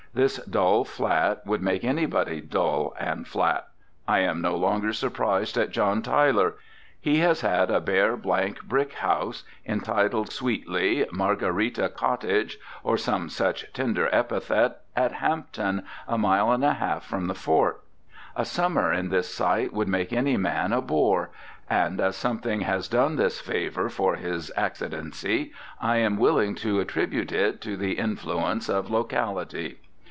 This dull flat would make anybody dull and flat. I am no longer surprised at John Tyler. He has had a bare blank brick house, entitled sweetly Margarita Cottage, or some such tender epithet, at Hampton, a mile and a half from the fort. A summer in this site would make any man a bore. And as something has done this favor for His Accidency, I am willing to attribute it to the influence of locality.